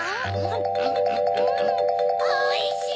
・おいしい！